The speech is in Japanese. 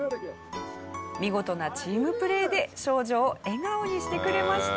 見事なチームプレーで少女を笑顔にしてくれました。